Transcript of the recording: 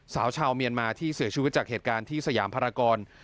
สาวชาวเมียนมาที่เสียชีวิตจากเหตุการณ์ที่สยามภารกร